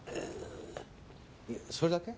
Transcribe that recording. それだけ？